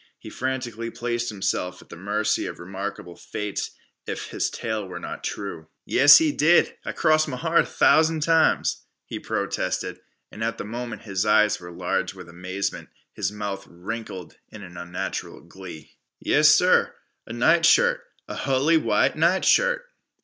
He frantically placed himself at the mercy of remarkable fates if his tale were not true. "Yes, he did! I cross m' heart thousan' times!" he protested, and at the moment his eyes were large with amazement, his mouth wrinkled in unnatural glee. "Yessir! A nightshirt! A hully white nightshirt!"